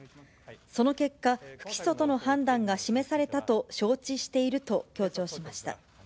その結果、不起訴との判断が示されたと承知していると強調しました。